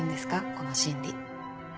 この審理。